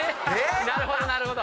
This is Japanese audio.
なるほどなるほど！